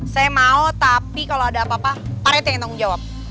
saya mau tapi kalau ada apa apa orang itu yang tanggung jawab